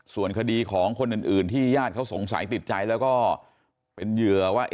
ส่วนคดีของคนอื่นที่ญาติเขาสงสัยติดใจแล้วก็เป็นเหยื่อว่า